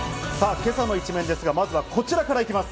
今朝の一面ですが、まずはこちらから行きます。